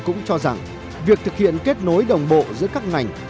cũng cho rằng việc thực hiện kết nối đồng bộ giữa các ngành